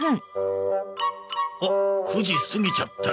あっ９時過ぎちゃった。